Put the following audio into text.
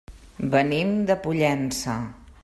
Venim de Pollença.